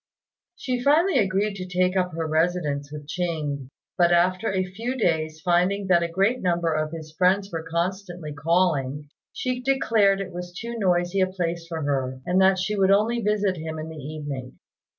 She finally agreed to take up her residence with Ching; but after a few days, finding that a great number of his friends were constantly calling, she declared it was too noisy a place for her, and that she would only visit him in the evening.